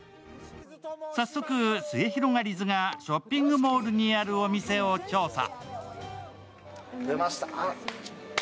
早速、すゑひろがりずかショッピングモールにあるお店を調査。